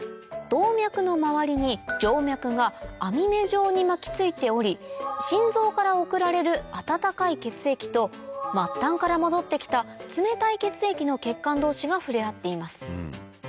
動脈の周りに静脈が網目状に巻き付いており心臓から送られる温かい血液と末端から戻って来た冷たい血液の血管同士が触れ合っています